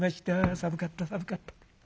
「寒かった寒かった。